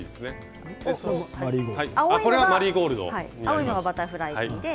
青いのがバタフライピーで。